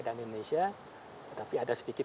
dan indonesia tapi ada sedikit